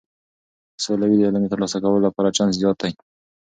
که سوله وي، د علم د ترلاسه کولو لپاره چانس زیات دی.